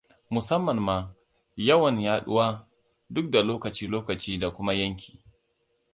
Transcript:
Musamman ma, yawan yaduwa, duk na lokaci-lokaci da kuma yanki.